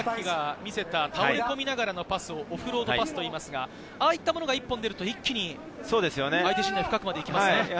今、稲垣が見せた、倒れ込みながらパスをオフロードパスといいますが、ああいったものが１本出ると、一気に相手陣内深くまで行きますね。